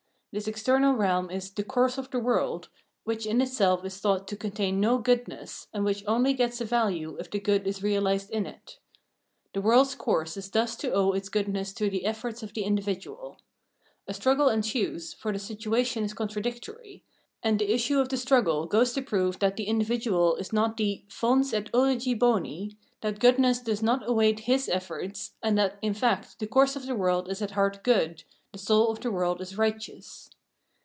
This external realm is the " Course of the "World " which in itself is thought to contain no goodness, and which only gets a value if the good is realised in it. The world's course is thus to owe its goodness to the efforts of the individual A struggle ensues, for the situation is contra dictory ; and the issue of the struggle goes to prove that the individual is not the fans et origo boni, that goodness does not await his efforts, and that in fact the course of the world is at heart good, the soul of the world is righteous.